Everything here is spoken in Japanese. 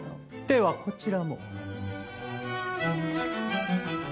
ではこちらも。